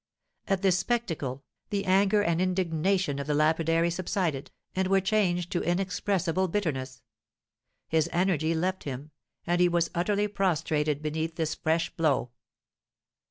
At this spectacle, the anger and indignation of the lapidary subsided, and were changed to inexpressible bitterness; his energy left him, and he was utterly prostrated beneath this fresh blow.